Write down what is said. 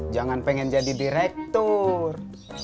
jangan pengen jadi direktur